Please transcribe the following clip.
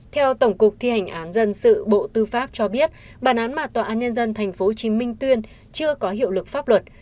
theo tổng cục thi hành án dân sự bộ tư pháp cho biết bản án mà tòa án nhân dân tp hcm tuyên chưa có hiệu lực pháp luật